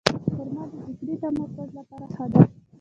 خرما د فکري تمرکز لپاره ښه ده.